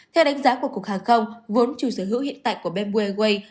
theo đánh giá của cục hàng không vốn chủ sở hữu hiện tại của bamboo airways